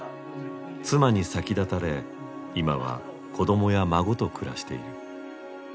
妻に先立たれ今は子供や孫と暮らしている。